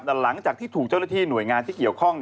แต่หลังจากที่ถูกเจ้าหน้าที่หน่วยงานที่เกี่ยวข้อง